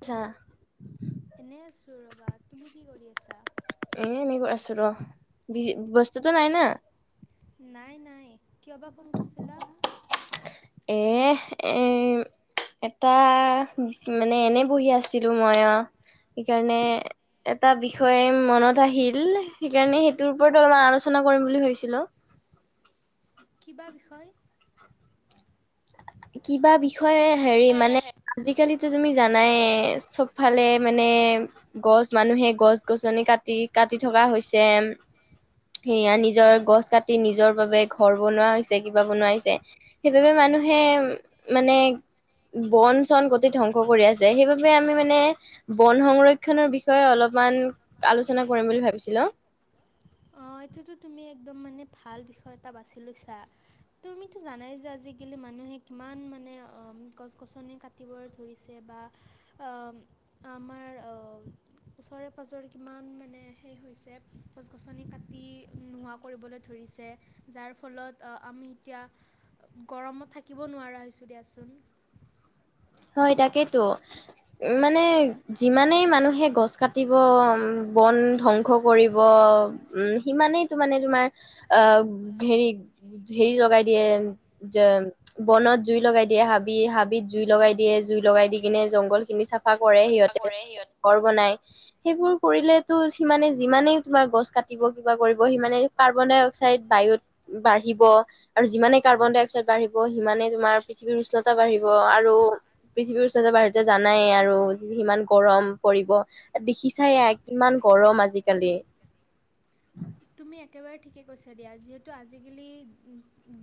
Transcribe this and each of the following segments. আচ্ছা এনে আছো ৰবা তুমি কি কৰি আছা এ এনেকৈ আছো ৰ বস্তুতটো নাই ন নাই নাই কিয় বা ফোন কৰিছিলা এ এ এটা মানে এনে বহি আছিলো মই অ সেইকাৰণে এটা বিষয়ে মনত আহিল সেইকাৰণে সেইটোৰ ওপৰত অলমান আলোচনা কৰিম বুলি ভাবছিলো [inaudible] কিবা বিষয় কিবা বিষয়ে হেৰি মানে আজিকালিতো তুমি জানাই চব ফালে মানে গছ মানুহে গছ গছনি কাটি কাটি থকা কৰা হৈছে এম সেয়া নিজৰ গছ কাটি নিজৰ বাবে ঘৰ বনোৱা হৈছে, কিবা বনোৱা হৈছে। সেইবাবে মানুহ হে মানে বন চন গোটেই ধ্বংস কৰি আছে সেইবাবে আমি মানে বন সংৰক্ষনৰৰ বিষয়ে অলপ অকমান আলোচনা কৰিম বুলি ভাবিছিলো। অহ এইটোতো তুমি একম মানে ভাল বিষয় এটা বাছি তুমিতো জানাই যে আজি কালি মানুহে কি মানে গছ গছনি কাটিব ধৰিছে বা আমাৰ ওচৰে পাঁজৰে কিমান মানে সেই হৈছে গছ গছনি কাট [unintelligible] নোহোৱা কৰিবলৈ ধৰিছে যাৰ ফলত আমি এতিয়া গৰমত থাকিব নোৱাৰোঁ নোৱাৰা হৈছোঁ দিয়াচোন হয় তাকেতো মানে যিমানেই মানুহে গছ কাটিব বন ধ্বংস কৰিব অ উম সিমানেই তো মানে তোমাৰ অহ হেৰি হেৰি লগাই দিয়ে যে বনত জুই লগাই দিয়ে হাবি হাবিত জুই লগাই দিয়ে জুই লগাই দি কিনে জংঘল খিনি চাফা কৰে সিহঁতে ঘৰবনাই সেইবোৰ কৰিলে তো সিমানে যিমানেই তোমাৰ গছ কাটিব কিবা কৰিব সিমানে কাৰ্বন ডাই অক্সাইড বা বায়ুত বাঢ়িব আৰু যিমানে কাৰ্বন ডাই অক্সাইড বাঢ়িব সিমানে তোমাৰ পৃথিৱীৰ উষ্ণতা বাঢ়িব ক আৰু পৃথিৱীৰ ওচৰতে বাহিৰতে জানাই আৰু সিমান গৰম পৰিব দেখিছাই এয়া কিমান ইমান গৰম আজিকালি তুমি একেবাৰে ঠিকে কৈছা দিয়া যিহেতু আজিকালি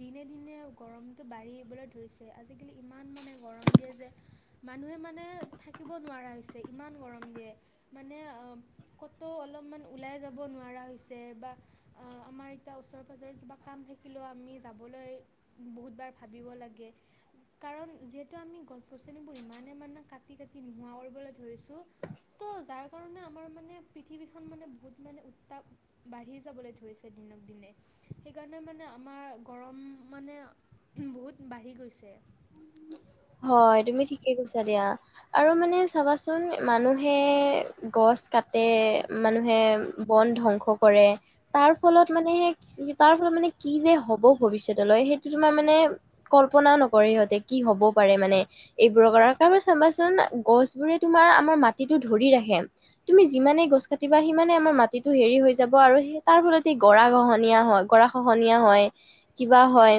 দিনে দিনে গৰমতটো বাঢ়ি ধৰিছে আজিকালি ইমান মানে গৰম দিয়ে যে মানুহে মানে থাকিব নোৱাৰা হৈছে ইমান গৰম দিয়ে মানে ক'ত অলপমান ওলাই যাব নোৱাৰা হৈছে বা [unintelligible] আমাৰ এতিয়া ওচৰে পাজৰে কিবা কাম থাকিলেও আমি যাবলৈ বহুতবাৰ ভাবিব লাগে। কাৰণ যিহেতু আমি গছ গছনিবোৰ ইমানে মানে কাটি কাটি নোহোৱা কৰিবলে ধৰিছো বোৰ ত যাৰ কাৰণে আমাৰ মানে পৃথিৱীখন মানে বহুত মানে উত্তাপ বাঢ়ি বাঢ়ি যাবলৈ ধৰিছে দিনক দিনে সেইকাৰণে মানে আমাৰ গৰম মানে ব বহুত বাঢ়ি গৈছে। উম [unintelligible] হয় তুমি ঠিকে কৈছা দিয়া, আৰু মানে চাবাচোন মানুহে গছ কাটে মানুহে বন ধ্বংস বন কৰে তাৰ ফলত মানে সেই তাৰ ফলত মানে কি যে হব ভৱিষ্যত লৈ সেইটো তোমাৰ মানে কল্পনা নকৰে সিহঁতে। কি হ'ব পাৰে মানে, এইবোৰৰ কৰা কাৰব চাবাচোন গছ বোৰে তোমাৰ আমাৰ মাটিতো ধৰি ৰাখি ৰাখে তুমি যিমানে গছ কাটিবা সিমানে আমাৰ মাটিটো হেৰি হৈ যাব আৰু তাৰ ফলতে গৰা খহনীয়া খহনীয়া হয় গৰা খহনীয়া হয় কিবা হয়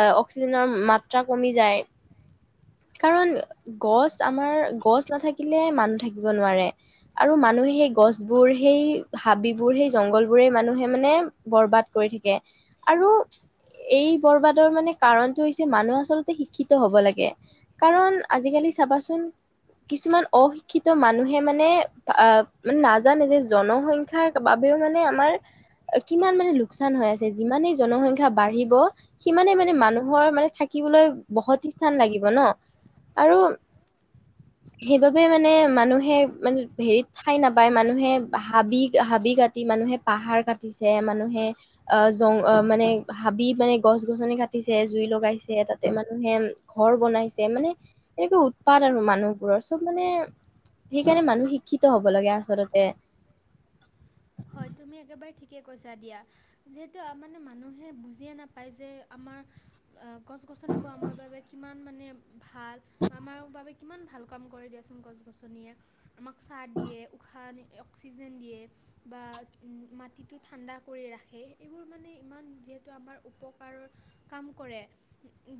আহ অক্সিজেনৰ মাত্ৰা কমি যায়। কাৰণ গছ আমাৰ গছ নাথাকিলে মানুহ থাকিব নোৱাৰে আৰু মানুহ সেই গছ বোৰ সেই হাবিবোৰ সেই জংগল বোৰে মানুহে মানে বৰবাদ কৰি থাকে। আৰু এই বৰবাদৰ মানে কাৰণটো হৈছে মানুহ আচলতে শিক্ষিত হব লাগে। কাৰণ আজিকালি চাবাচোন কিছুমান অশিক্ষিত মানুহে মানে আহ মানে নাজানে যে জনসংখ্যাৰ বাবে বাবেওমানে আমাৰ কিমান মানে লোকচান হৈ আছে যিমানে জনসংখ্যা বাঢ়িব সিমানে মানে মানুহৰ মানে থাকিবলৈ বসতি স্থান লাগিব ন আৰু [unintelligible] সেইবাবে মানে মানুহে মানে হেৰিত ঠাই নাপায় মানুহে হাবি হাবি কাটি মানে মানুহে পাহাৰ কাটিছে মানুহে অহ জং মানে হাবি মানে গছ গছনি কাটিছে। তাতে জুই লগাইছে তাতে মানুহে ঘৰ বনাইছে মানে এনেকুৱা উৎপাত আৰু মানুহবোৰৰ, চব মানে সেইকাৰণে মানুহ শিক্ষিত হব লাগে আচলতে। হয়। তুমি একেবাৰে ঠিকে কৈছা দিয়া। যিহেতু আ মানে মানুহে বুজিয়ে নাপায় যে আমাৰ [unintelligible] গছ গছনিবোৰ আমাৰ বাবে কিমান মানে ভাল। আমাৰ বাবে কিমান ভাল কাম কৰে দিয়াচোন গছ গছনিয়ে। আমাক চাহ দিয়ে উশাহ নি অক্সিজেন দিয়ে বা মাটিটো ঠাণ্ডা কৰি ৰাখে। এইবোৰ মানে ইমান যিহেতু আমাৰ উপকাৰৰ কাম কৰে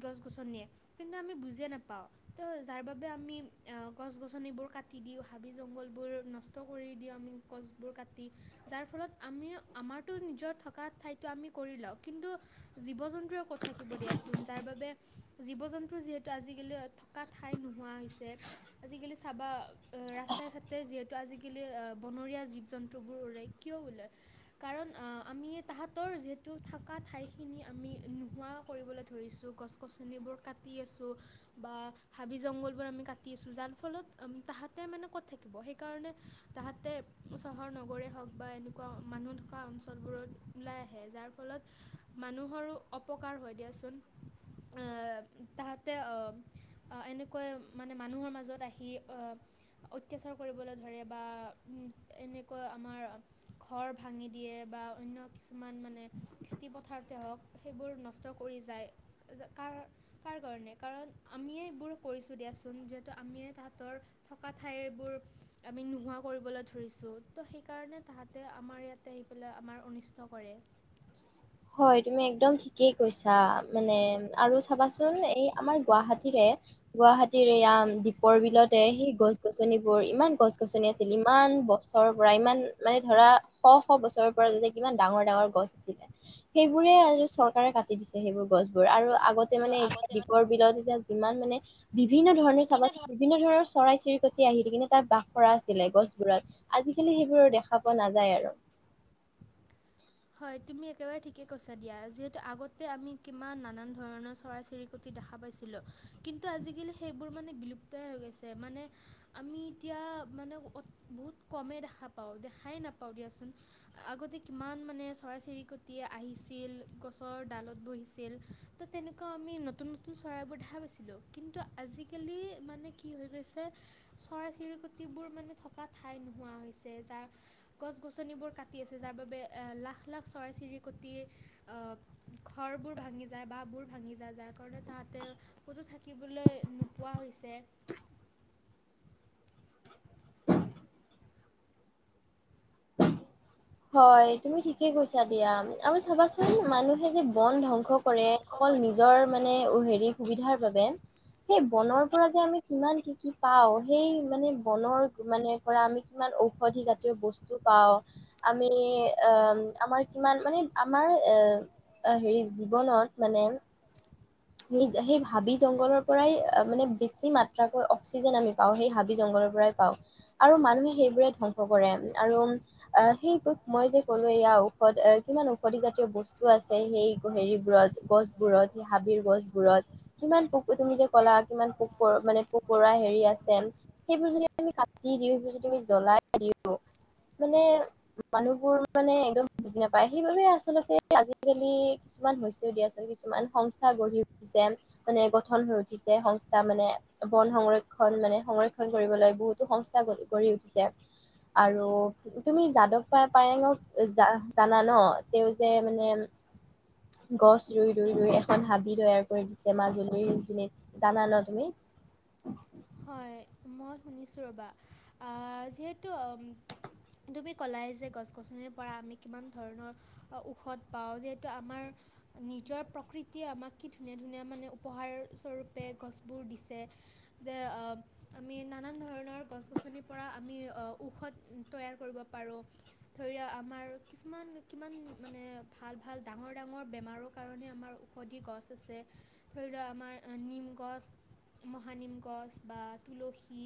গছ গছনিয়ে, কিন্তু আমি বুজিয়ে নেপাওঁ। ত যাৰ বাবে আমি অ গছ গছনিবোৰ কাটি দিও। হাবি জংঘলবোৰ নষ্ট কৰি দিওঁ আমি গছবোৰ কা যাৰ ফলত আমি আমাৰতো নিজৰ থকা ঠাইতো আমি কৰি লওঁ, কিন্তু জীৱ জ জন্তুৱে কত থাকিব দিয়াচোন যাৰ বাবে জীৱ জন্তুৰ যিহেতু আজিকালি থকা ঠাই নুহো হোৱা হৈছে। আজিকালি চাবা ৰাস্তাই ঘাতে যিহেতু আজিকালি আ বনৰীয়া জীৱ জন্তু জন্তুবোৰ উলাই কিয় উলাই কাৰণ আ আমি তাহতৰ যিহেতু থকা ঠাই খিনি আমি নোহোৱা কৰিবলৈ ধৰিছো। গছ গছনিবোৰ কাটি আছো বা হাবি জংঘল ব আমি কাটি আছো যাৰ ফলত তাহাতে মানে ক'ত থাকিব? সেইকাৰণে তাহতে চহৰ নগৰ গৰে হওক বা এনেকুৱা মানুহ থকা অঞ্চলবোৰত ওলাই আহে। যাৰ ফলত মানুহৰো অপকাৰ হয় দিয়াচোন। আহ তাহাতে অহ আ এনেকৈ মানে মানুহৰ মাজত আহি। অ অত্যাচাৰ কৰিবলে ধৰে বা এনে [unintelligible] ঘৰ ভাঙি দিয়ে বা অন্য কিছুমান মানে খেতি পথাৰতে হওঁক। সেইবোৰ নষ্ট কৰি যায়। য কাৰ কাৰ কাৰণে কাৰণ আমিয়ে এইবোৰ কৰিছোঁ দিয়াচোন। যিহেতু আমি আমিয়ে তাঁহাতৰ থকা ঠাইবোৰ আমি নোহোৱা কৰিবলৈ ধৰিছোঁ। তো সেইকাৰণে তাহাঁতে আমাৰ ইয়াতে আহি পেলাই আমাৰ অনিষ্ট কৰে। হয় তুমি একদম ঠিকেই কৈছা মানে আৰু চাবাচোন এই আমাৰ গুৱাহাটীৰে গুৱাহাটীৰ এয়া দ্বীপৰ বিলতে সেই গছ গছনিবোৰ, ইমান গছ গছনি আছিল ইমান ইমান বছৰৰ পৰা ইমান মানে ধৰা শ শ বছৰৰ পৰা যেতিয়া কিমান ডাঙৰ ডাঙৰ গছ আছিলে। সেইবোৰে আৰু চৰকাৰে কাটি দিছে সেইবোৰ গছ বোৰ আৰু আগতে মানে এতিয়া দ্বীপৰ বিলত এতিয়া যিমান মানে বিভিন্ন ধৰণে চাবা বিভিন্ন ধৰণৰ চৰাই চিৰিকটি আহি থাকে কিন্তু তাত বাস কৰা আছিলে গছবোৰত। আজিকালি সেইবোৰ দেখা পোৱা নাযায় আৰু। [unintelligible] হয় তুমি একেবাৰে ঠিকে কৈছা দিয়া। যিহেতু আগতে আমি কিমান নানান ধৰণৰ চৰাই চিৰিকতি দেখা পাইছিলোঁ কিন্তু আজিকালি সেইবোৰ মানে বিলুপ্তই হৈ গৈছে। মানে আমি এতিয়া আ মানে অত বহুত কমে দেখা পাওঁ। দেখাই নাপাওঁ দিয়াচোন। আগতে কিমান মানে চৰাই চিৰিকতি আহিছিল গছৰ দালত বহিছিল। ত তেনেকুৱা আমি নতুন নতুন চৰাইবোৰ দেখা পাইচিলোঁ। কিন্তু আজিকালি মানে কি হৈ গৈছে। চৰাই চিৰি কতিবোৰ মানে থকা ঠাই নোহোৱা হৈছে। যাৰ গছ গছনিবোৰ কাটি আছে যাৰ বাবে লাখ লাখ চৰাই চিৰিকটি অ ঘৰবোৰ ভাঙি যায়, বাঁহবোৰ ভাঙি যায়। যাৰ কাৰণে তাহাতে ক'তো থাকিবলৈ নোপোৱা হৈছে। [unintelligible] হয় তুমি ঠিকে কৈছা দিয়া আৰু চাবাচোন মানুহে যে বন ধ্বং স কৰে। অকল নিজৰ মানে হেৰি সুবিধাৰ বাবে সেই বনৰ পৰা যে আমি কিমান কি কি পাও সেই মানে বনৰ মানে পৰা আমি কিমান ঔষধি জাতীয় বস্তু পাওঁ। আমি অ আমাৰ কিমান মানে আমাৰ এ হেৰি জীৱনত মানে এ। সেই যে হাবি জংঘলৰ পৰাই মানে বেছি মাত্ৰাকৈ অক্সিজেন আমি পাওঁ। সেই হাবি জংঘলৰ পৰাই পাওঁ। আৰু মানুহে সেইবোৰে ধ্বংস কৰে। আৰু সেই টোক ময় যে কলো এয়া ঔষধ এ কিমান ঔষধি জাতীয় বস্তু আছে সেই হেৰিবোৰত গছবোৰত। হাবিৰ গছবোৰত কিমান পোক তুমি যে ক'লা কিমান পোক পৰ মানে পোক পৰুৱা হেৰি আছে। সেইবোৰ যদি আমি কাটি দিও সেইবোৰ যদি আমি জ্বলাই দিওঁ। মানে মানুহবোৰ মানে একদম বুজি নাপায় সেইবাবে আচলতে আজিকালি। কিছুমান হৈছে আ কিছুমান হঁচ। সংস্থা গঢ়ি উঠিছে মানে গঠন হৈ উঠিছে সংস্থা মানে বন সংৰক্ষণ মানে সংৰক্ষণ। কৰিবলৈ বহুতো সংস্থা গঢ়ি উঠিছে। আৰু তুমি যাদৱ পাই পায়েঙক জা জানা ন তেওঁ যে মানে গছ ৰুই ৰুই ৰুইে খন হাবি তৈয়াৰ কৰি দিছে মাজুলীৰ খিনিত জানা ন তুমি হয় মই শুনিছোঁ ৰ'বা আ যিহেতু তুমি ক'লাই যে গছ গছনিৰ পৰা আমি কিমান ধৰণৰ ঔষধ পাওঁ যিহেতু আমাৰ নিজৰ প্ৰকৃতিয়ে আমাক কি ধুনীয়া ধুনীয়া মানে উপহাৰস্বৰূপে গছবোৰ দিছে যে অ আমি নানান ধৰণৰ গছ গছনিৰ পৰা আমি অ ঔষধ তৈয়াৰ কৰিব পাৰোঁ আৰু ধৰিক আমাৰ কিছুমান কিমান মানে ভাল ভাল ডাঙৰ ডাঙৰ বেমাৰক কাৰণে আমাৰ ঔষধি গছ আছে, ধৰি লোৱা আমাৰ নিম গছ, মহা নিম গছ বা তুলসী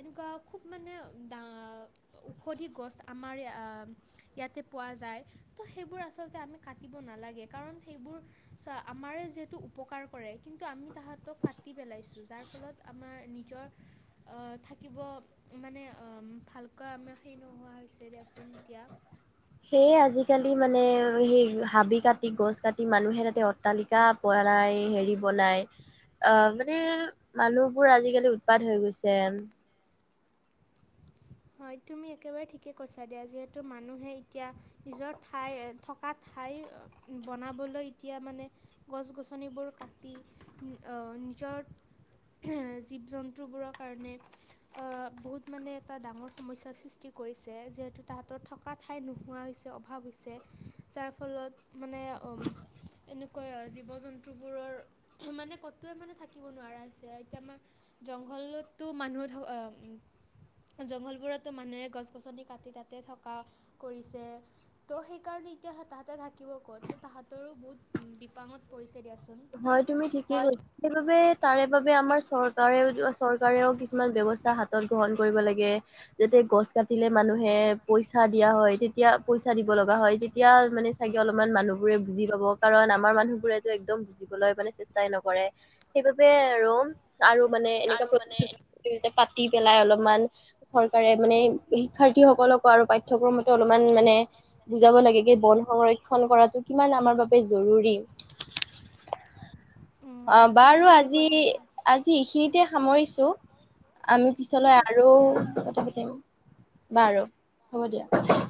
এনেকুৱা খুব মানে দা আ ঔষধি গছ আমাৰ য়া ইয়াতে পোৱা যায় তো সেইবোৰ আচলতে আমি কাটিব নালাগে কাৰণ সেইবোৰ বোৰ আমাৰে যিহেতু উপকাৰ কৰে কিন্তু আমি তাহাঁতক কাটি পেলাইছো যাৰ ফলত আমাৰ নিজৰ আ থাকিব মানে আ ভালকৈ আমাৰ হেইৰি নোহোৱা হৈছে দিয়াচোন এতিয়া সেয়ে আজিকালি মানে সেই হাবি কাটি গছ কাটি মানুহে তাতে অট্টালিকা পোৱা লাই হেৰি বনাই অ মানে মানুহবোৰ আজিকালি উৎপাত হৈ গৈছে হয় তুমি একেবাৰে ঠিকে কৈছা দিয়া যিহেতু মানুহে এতিয়া নিজৰ ঠাই থকা ঠা ঠাই বনাবলৈ এতিয়া মানে গছ গছনিবোৰ কাটি উম অ নিজৰ জীৱ জন্তুবোৰৰ কাৰণে অ বহুত মানে। এটা ডাঙৰ সমস্যাৰ সৃষ্টি কৰিছে যিহেতু তাহাঁতৰ থকা ঠাই নোহোৱা হৈছে অভাৱ হৈছে। যাৰ ফলত মানে অ এনেকুৱা অজীৱ। জীৱ জন্তুবোৰৰ মানে কতে মানে থাকিব নোৱাৰা হৈছে এতিয়া আমাৰ জংঘলত। টো মানুহ ঠো। [unintelligible] জংঘলবোৰতো মানুহে গছ গছনি কাটি তাতে থকা কৰিছে ত' সেইকাৰণে এতিয়া। হ তাহাঁতে থাকিব ক'ত ত তাহাঁতৰো বহুত উম বিপাঙত পৰিছে। দিয়াচোন হয় তুমি ঠিকে কৈছা সেইবাবে তাৰে বাবে আমাৰ। চৰকাৰেও চৰকাৰেও কিছুমান বিয়বস্থা হাতত গ্ৰহণ কৰিব লাগে যাতে গছ কাটিলে মানুহ। মানুে পইচা দিয়া হয় তেতিয়া পইচা দিব লগা হয় তেতিয়া মানে চাগে অলপমান মানুহবোৰে বুজি। কব কাৰণ আমাৰ মানুহবোৰেতটো একদম বুজিবলৈ মানে চেষ্টাই নকৰে সেইবাবে আৰু। আৰু মানে এনেকুৱা প্ৰতিযোগ। পাতি পেলাই অলপমান চৰকাৰে মানে শিক্ষাৰ্থীসকলকো আৰু পাঠ্যক্ৰমতো অলপমান মানে। নে বুজাব লাগে কি বন সংৰক্ষণ কৰাটো কিমান আমাৰ বাবে জৰুৰী। উম, অ তুমি বাৰু ঠিকে আজি কৈছা দিয়া আজি এইখিনিতে সামৰিছো। আমি ঠিক পিছলৈ আছে আৰু দিয়া তথা পতিম। বাৰু হ'ব দিয়া।